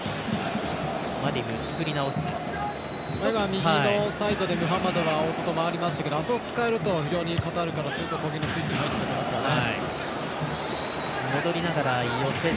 右のサイドでムハンマドが大外回りましたけどあそこを使えると非常にカタールからすると攻撃のスイッチが入ってきますからね。